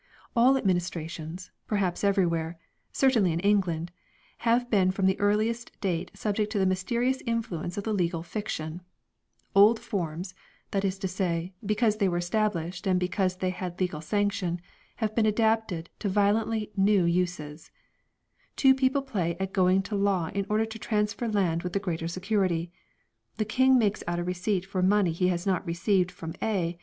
All Administrations, perhaps everywhere, certainly in England, have been from the earliest date subject to the mysterious influence of the Legal Fiction ; old forms, that is to say, because they were established and because they had legal sanction, have been adapted to violently new uses : two people play at going to law in order to transfer land with the greater security ; the King makes out a receipt for money he has not received from A.